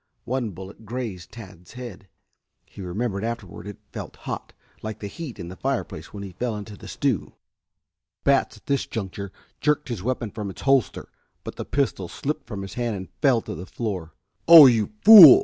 One bullet grazed Tad's head. He remembered afterward that it felt hot, like the heat in the fireplace when he fell into the stew. Batts at this juncture jerked his weapon from its holster, but the pistol slipped from his hand and fell to the floor. "Oh, you fool!"